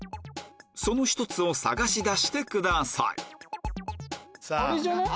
その１つを探し出してくださいあれじゃない？